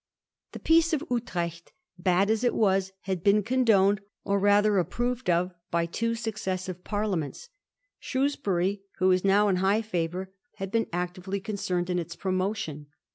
The Peace of Utrecht, bad as it was, had been condoned, or rather approved of, by two successive Parliaments. Shrewsbury, who was now in high favour, had been actively concerned in its promotion.